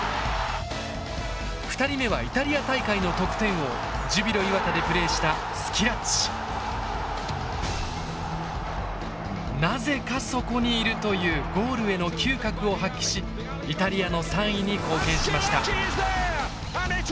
２人目はイタリア大会の得点王ジュビロ磐田でプレーしたなぜかそこにいるというゴールへの嗅覚を発揮しイタリアの３位に貢献しました。